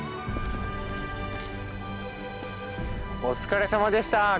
お疲れさまでした！